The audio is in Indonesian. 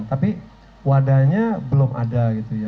tapi wadahnya belum ada